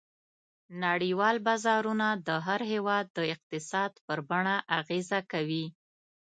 نړیوال بازارونه د هر هېواد د اقتصاد پر بڼه اغېزه کوي.